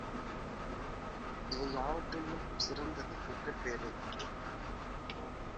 இவை யாவற்றுள்ளும் சிறந்தது மக்கட்பேறு.